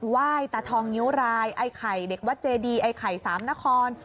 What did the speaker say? ยตาทองนิ้วรายไอ้ไข่เด็กวัดเจดีไอ้ไข่สามนคร